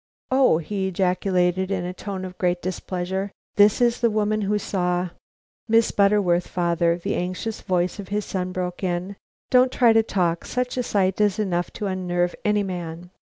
"Oh!" he ejaculated, in a tone of great displeasure. "This is the woman who saw " "Miss Butterworth, father," the anxious voice of his son broke in. "Don't try to talk; such a sight is enough to unnerve any man."